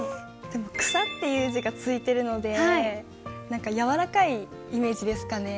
でも「草」っていう字がついてるので何かやわらかいイメージですかね。